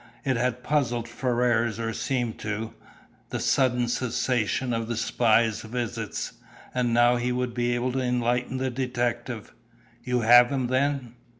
It had puzzled Ferrars or seemed to, the sudden cessation of the spy's visits, and now he would be able to enlighten the detective. "You have him, then?